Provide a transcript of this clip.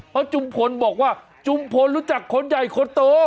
เพราะจุมพลบอกว่าจุมพลรู้จักคนใหญ่คนโต